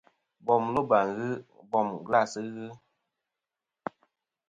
Bom loba ghɨ, bom glas ghɨ.